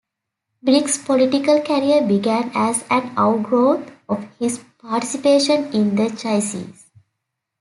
Briggs' political career began as an outgrowth of his participation in the Jaycees.